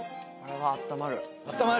あったまる？